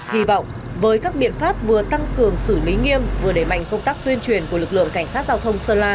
hy vọng với các biện pháp vừa tăng cường xử lý nghiêm vừa đẩy mạnh công tác tuyên truyền của lực lượng cảnh sát giao thông sơn la